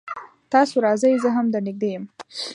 تاسو راځئ زه هم در نږدې يم